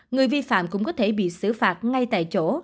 người vi phạm cũng có thể bị xử phạt ngay tại chỗ